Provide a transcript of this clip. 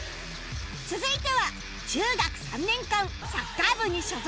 続いては中学３年間サッカー部に所属